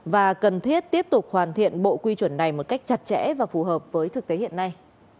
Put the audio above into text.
và cần thiết tiếp tục hoàn thiện bộ quy chuẩn này một cách chặt chẽ và phù hợp với thực tế hiện nay